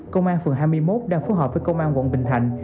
công an phường hai mươi một đang phối hợp với công an quận bình thạnh